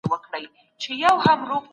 داستاني اثار مه خرابوئ.